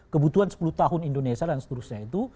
kebutuhan sepuluh tahun indonesia dan seterusnya itu